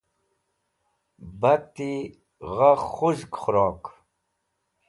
bat'i gha khuzg khurok